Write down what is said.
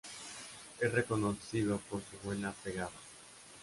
Es reconocido por su buena pegada.